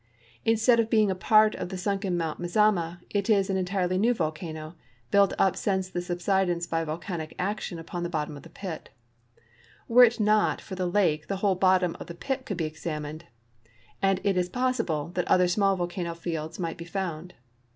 Instead of being a part of the sunken Mount Mazama, it is an entirely new volcano built uj) since the subsidence by volcanic action upon, the bottom of the i)it. Were it not for the lake the whole bottom of the pit could be examined, and it is pos 48 CRATER LAKE, OREGON sible that other small volcanic cones might be found.